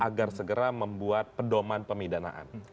agar segera membuat pedoman pemidanaan